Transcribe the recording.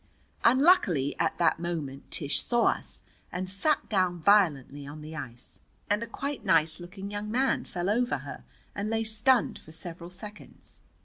Unluckily at that moment Tish saw us, and sat down violently on the ice. And a quite nice looking young man fell over her and lay stunned for several seconds.